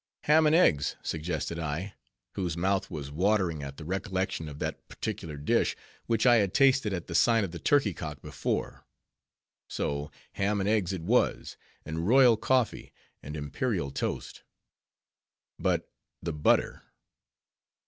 "Ham and eggs," suggested I, whose mouth was watering at the recollection of that particular dish, which I had tasted at the sign of the Turkey Cock before. So ham and eggs it was; and royal coffee, and imperial toast. But the butter!